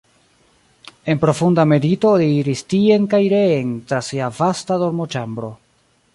En profunda medito li iris tien kaj reen tra sia vasta dormoĉambro.